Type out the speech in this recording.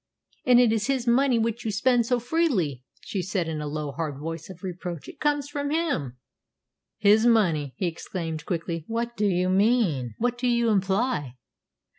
"And it is his money which you spend so freely," she said, in a low, hard voice of reproach. "It comes from him." "His money!" he exclaimed quickly. "What do you mean? What do you imply?"